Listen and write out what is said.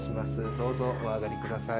どうぞお上がり下さい。